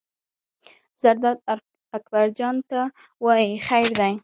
زرداد اکبر جان ته وایي: خیر دی.